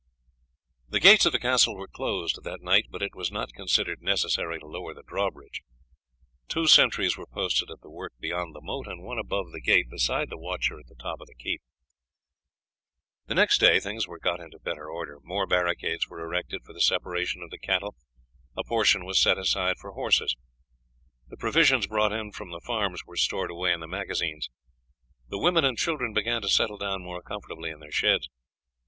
The gates of the castle were closed that night, but it was not considered necessary to lower the drawbridge. Two sentries were posted at the work beyond the moat, and one above the gate, besides the watcher at the top of the keep. The next day things were got into better order. More barricades were erected for the separation of the cattle; a portion was set aside for horses. The provisions brought in from the farms were stored away in the magazines. The women and children began to settle down more comfortably in their sheds.